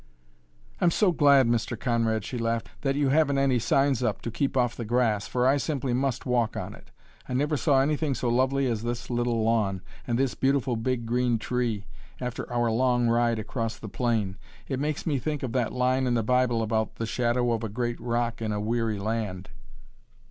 "I'm so glad, Mr. Conrad," she laughed, "that you haven't any signs up to 'keep off the grass,' for I simply must walk on it. I never saw anything so lovely as this little lawn and this beautiful big green tree, after our long ride across the plain. It makes me think of that line in the Bible about 'the shadow of a great rock in a weary land.'"